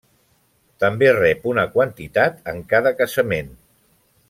També rep una quantitat en cada casament.